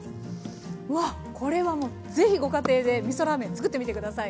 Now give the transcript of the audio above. うわっこれはもうぜひご家庭でみそラーメンつくってみて下さい。